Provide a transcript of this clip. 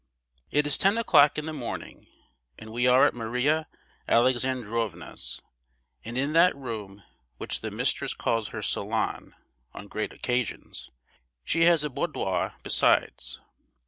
It is ten o'clock in the morning, and we are at Maria Alexandrovna's, and in that room which the mistress calls her "salon" on great occasions; she has a boudoir besides.